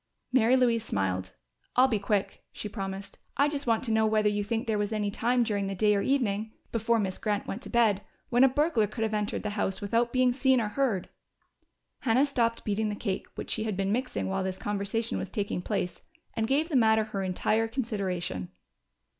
Mary Louise smiled. "I'll be quick," she promised. "I just want to know whether you think there was any time during the day or evening before Miss Grant went to bed when a burglar could have entered the house without being seen or heard." Hannah stopped beating the cake which she had been mixing while this conversation was taking place and gave the matter her entire consideration.